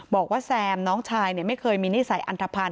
บอกว่าแซมน้องชายไม่เคยมีนิสัยอันทภัณฑ์